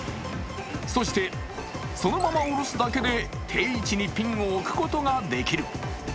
そして、そのまま下ろすだけで定位置にピンを置くことができる。